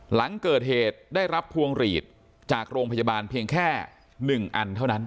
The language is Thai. หลังเกิดเหตุได้รับพวงหลีดจากโรงพยาบาลเพียงแค่๑อันเท่านั้น